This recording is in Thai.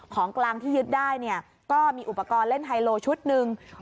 ของกลางที่ยึดได้เนี่ยก็มีอุปกรณ์เล่นไฮโลชุดหนึ่ง